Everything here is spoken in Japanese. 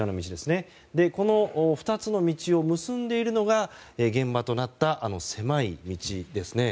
この２つの道を結んでいるのが現場となったあの狭い道ですね。